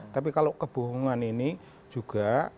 tapi kalau kebohongan ini juga